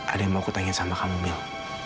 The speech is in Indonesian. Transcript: ada yang mau aku tanya sama kamu mil